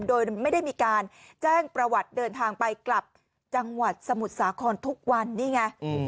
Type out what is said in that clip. โดยไม่ได้มีการแจ้งประวัติเดินทางไปกลับจังหวัดสมุทรสาครทุกวันนี่ไง